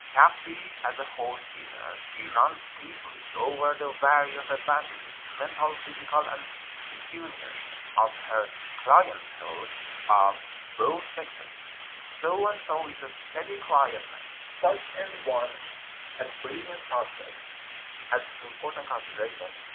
Crafty as a horse dealer, she runs glibly over the various advantages, mental, phys ical, and pecuniary, of her clientele of both sexes. So and so is a steady, quiet man. Such an one has brilHant prospects — has (important consideration!)